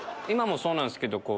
今もそうなんすけど。